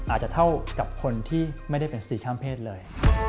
อาจจะเท่ากับคนที่ไม่ได้เป็นสี่ข้ามเพศเลย